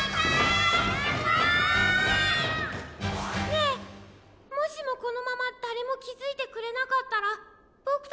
ねえもしもこのままだれもきづいてくれなかったらボク